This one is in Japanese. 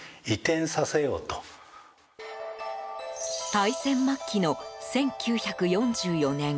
大戦末期の１９４４年。